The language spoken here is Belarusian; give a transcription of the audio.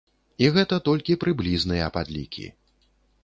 І гэта толькі прыблізныя падлікі.